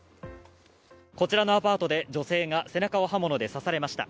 こちらのアパートで女性が背中を刃物で刺されました。